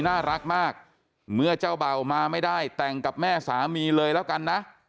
น่ารักมากเมื่อเจ้าเบ่ามาไม่ได้แต่งกับแม่สามีเลยแล้วกันนะ